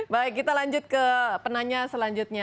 baik kita lanjut ke penanya selanjutnya